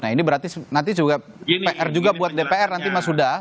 nah ini berarti nanti juga pr juga buat dpr nanti mas huda